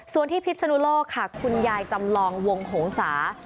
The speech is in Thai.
ส่วนที่พิษนุโลกค่ะคุณยายจำลองวงโหงศา